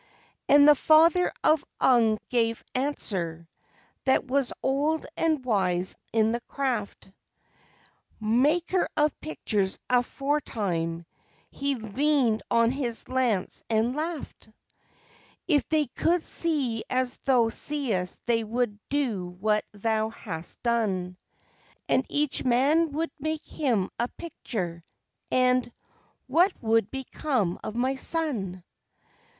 And the father of Ung gave answer, that was old and wise in the craft, Maker of pictures aforetime, he leaned on his lance and laughed: "If they could see as thou seest they would do what thou hast done, And each man would make him a picture, and what would become of my son?